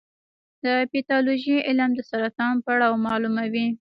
د پیتالوژي علم د سرطان پړاو معلوموي.